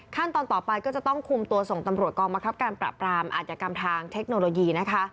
ขั้นตอนต่อไปก็จะต้องคุมตัวส่งตำรวจกองมะครับการปรับปรามอาจกรรมทางเทคโนโลยีนะคะ